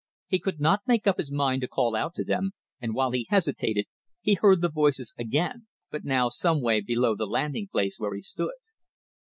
He could not make up his mind to call out to them, and while he hesitated he heard the voices again, but now some way below the landing place where he stood.